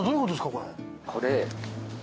これ。